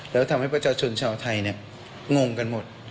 แล้วทำให้ประชาชนชาวไทยงงกันหมด